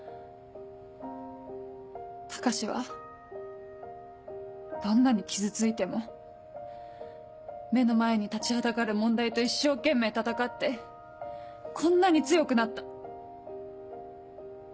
高志はどんなに傷ついても目の前に立ちはだかる問題と一生懸命闘ってこんなに強くなった。